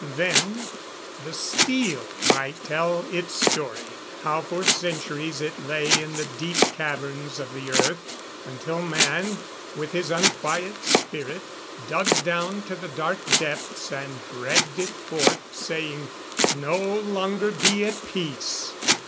Then the Steel might tell its story, how for centuries it lay in the deep caverns of the earth, until man, with his unquiet spirit, dug down to the dark depths and dragged it forth, saying, "No longer be at peace."